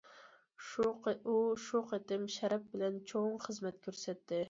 ئۇ شۇ قېتىم شەرەپ بىلەن چوڭ خىزمەت كۆرسەتتى.